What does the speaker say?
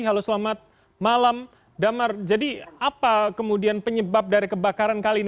halo selamat malam damar jadi apa kemudian penyebab dari kebakaran kali ini